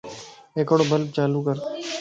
ھڪڙو بلب چالو ڪر